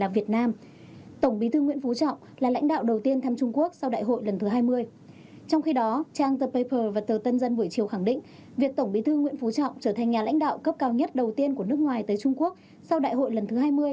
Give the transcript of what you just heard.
việt tổng bí thư nguyễn phú trọng trở thành nhà lãnh đạo cấp cao nhất đầu tiên của nước ngoài tới trung quốc sau đại hội lần thứ hai mươi